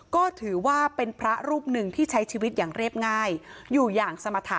ก็ถือว่าเป็นพระรูปหนึ่งที่ใช้ชีวิตอย่างเรียบง่ายอยู่อย่างสมรรถะ